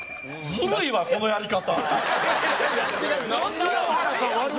ずるいわこのやり方。